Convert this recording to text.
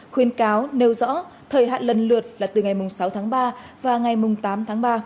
khuyên cáo nêu rõ thời hạn lần lượt là từ ngày sáu tháng ba và ngày tám tháng ba